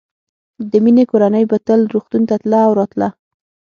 د مينې کورنۍ به تل روغتون ته تله او راتله